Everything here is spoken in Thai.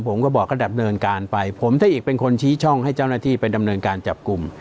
ผมก็บอกก็ดำเนินการไปผมถ้าอีกเป็นคนชี้ช่องให้เจ้าหน้าที่ไปดำเนินการจับกลุ่ม